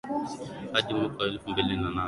Hadi mwaka wa elfu mbili na nane